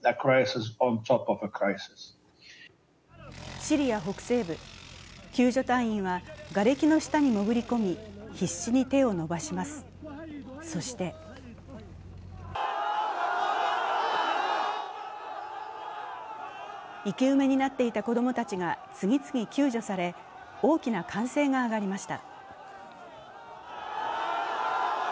シリア北西部、救助隊員はがれきの下にもぐり込み必死に手を伸ばします、そして生き埋めになっていた子供たちが次々救助され大きな歓声が上がりました。